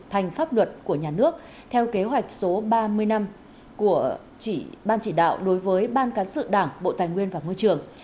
thành pháp luật của nhà nước theo kế hoạch số ba mươi năm của ban chỉ đạo đối với ban cán sự đảng bộ tài nguyên và môi trường